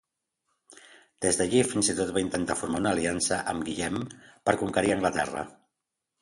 Des d'allí fins i tot va intentar formar una aliança amb Guillem, per conquerir Anglaterra.